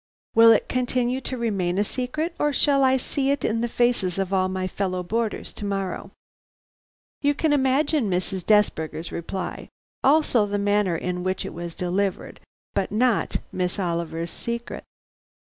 Will it continue to remain a secret, or shall I see it in the faces of all my fellow boarders to morrow?' You can imagine Mrs. Desberger's reply, also the manner in which it was delivered, but not Miss Oliver's secret.